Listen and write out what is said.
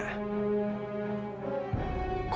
adokah adok ah